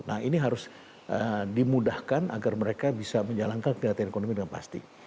nah ini harus dimudahkan agar mereka bisa menjalankan kegiatan ekonomi dengan pasti